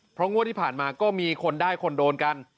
เพราะงวดที่ผ่านมาก็มีคนได้คนโดนกัน